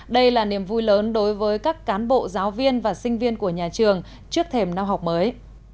đây là niềm vui lớn đối với các cán bộ giáo viên và sinh viên của nhà trường trước thềm năm học mới